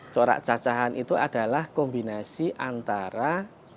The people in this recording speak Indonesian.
corak cacahan itu adalah kombinasi antara